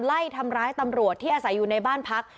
ไล่ทำร้ายตำรวจที่อาศัยอยู่ในบ้านพัก